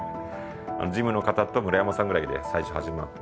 事務の方と村山さんぐらいで最初始まって。